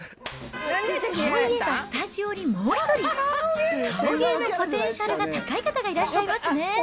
そういえばスタジオにもう１人、顔芸のポテンシャルが高い方がいらっしゃいますね。